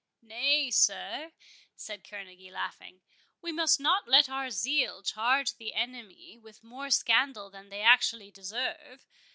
"Nay, sir," said Kerneguy, laughing, "we must not let our zeal charge the enemy with more scandal than they actually deserve.